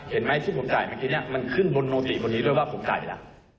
เห็นไหมที่ผมถ่ายเมื่อกี้เนี่ยมันขึ้นบนโนติบนนี้ด้วยว่าผมจ่ายล่ะ